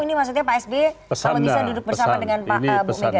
ini maksudnya pak sby sama bisa duduk bersama dengan pak ibu megawati ya